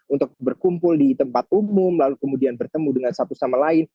untuk berkumpul di tempat umum lalu kemudian bertemu dengan satu sama lain